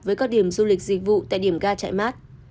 với các điểm du lịch dịch vụ tại điểm gà trại mát